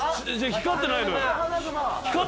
光ってないのよ。